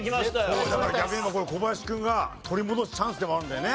これだから逆に小林君が取り戻すチャンスでもあるんだよね。